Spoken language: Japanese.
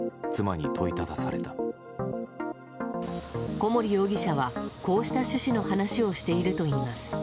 小森容疑者はこうした趣旨の話をしているといいます。